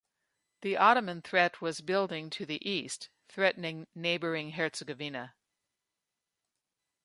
The Ottoman threat was building to the east, threatening neighboring Herzegovina.